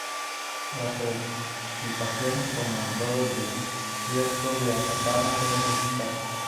Las precipitaciones, como en todo el desierto de Atacama, son muy escasas.